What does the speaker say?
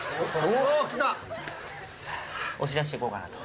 押し出して行こうかなと。